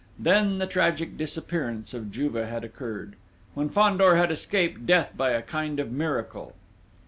Then the tragic disappearance of Juve had occurred, when Fandor had escaped death by a kind of miracle!